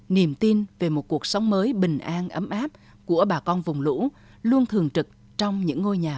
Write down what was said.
niềm tin về một cuộc sống mới bình an ấm áp của bà con vùng lũ luôn thường trực trong những ngôi nhà